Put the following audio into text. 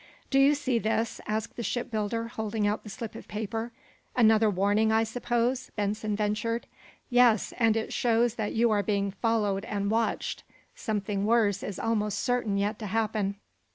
"Do you see this?" asked the shipbuilder, holding out the slip of paper. "Another warning, I suppose?" Benson ventured. "Yes; and it shows that you are being followed and watched. Something worse is almost certain yet to happen."